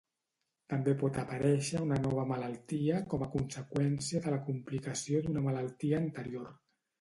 També pot aparèixer una nova malaltia com a conseqüència de la complicació d'una malaltia anterior.